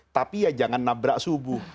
tapi ya jangan nabrak subuh